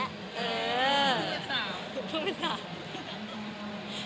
ขึ้นสาว